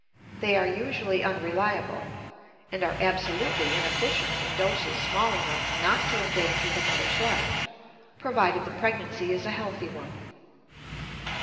They are usually unreliable, and are absolutely inefficient in doses small enough not to endanger the mother's life, provided the pregnancy is a healthy one.